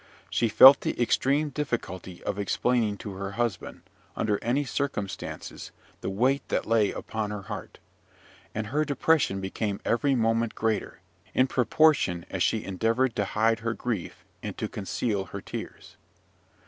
She felt the extreme difficulty of explaining to her husband, under any circumstances, the weight that lay upon her heart; and her depression became every moment greater, in proportion as she endeavoured to hide her grief, and to conceal her tears.